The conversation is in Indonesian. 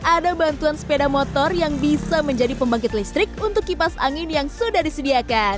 ada bantuan sepeda motor yang bisa menjadi pembangkit listrik untuk kipas angin yang sudah disediakan